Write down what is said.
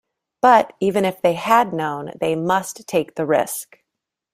But, even if they had known, they must take the risk.